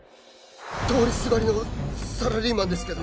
通りすがりのサラリーマンですけど。